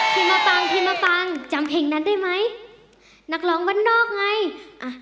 พี่มาปังพี่มาปังจำเพลงนั้นได้ไหมนักร้องบ้านนอกไงอ่ะ